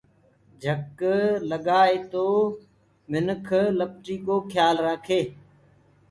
جھڪ لگآئي تو منِک لپٽينٚ ڪو کيآل رآکي۔